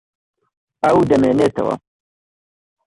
ئەو دەمێنێتەوە.